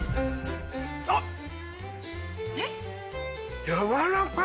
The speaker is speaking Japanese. あっ！